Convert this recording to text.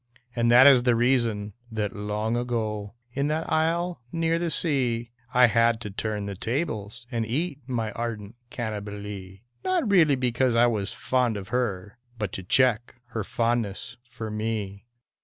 And that is the reason that long ago. In that island near the sea, I had to turn the tables and eat My ardent Cannibalee — Not really because I was fond of her, But to check her fondness for me.